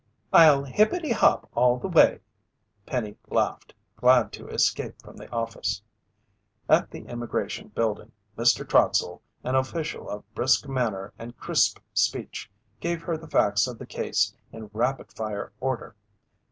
"I'll hippety hop all the way!" Penny laughed, glad to escape from the office. At the Immigration Building, Mr. Trotsell, an official of brisk manner and crisp speech, gave her the facts of the case in rapid fire order.